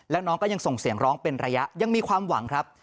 แล้วน้องก็ยังส่งเสียงร้องเป็นระยะยังมีความหวังครับ